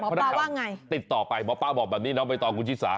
หมอปลาว่าไงเข้าติดต่อไปหมอปลาว่าแบบนี้นะครับมาตากูชิษะ